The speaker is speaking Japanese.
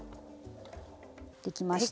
できました。